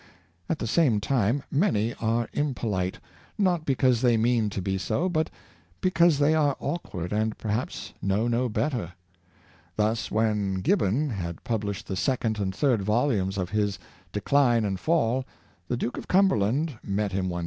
At the same time many are impolite, not because they mean to be so, but because they are awkward, and perhaps know no better. Thus, when Gibbon had pub lished the second and third volumes of his " Decline and Fall," the Duke of Cumberland met him one day.